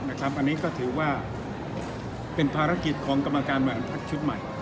ในอนาคตนะครับอันนี้ก็ถือว่าเป็นภารกิจของกำลังการแมวอันภักดิ์ชุดใหม่